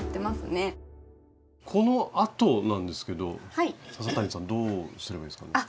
このあとなんですけど笹谷さんどうすればいいですか？